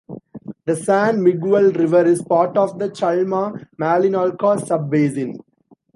The San Miguel River is part of the Chalma-Malinalco sub-basin.